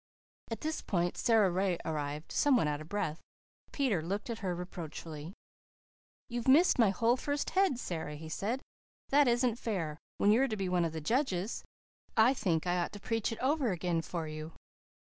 At this point Sara Ray arrived, somewhat out of breath. Peter looked at her reproachfully. "You've missed my whole first head, Sara," he said, "that isn't fair, when you're to be one of the judges. I think I ought to preach it over again for you."